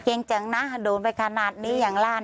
เก่งจังนะโดนไปขนาดนี้อย่างร้าน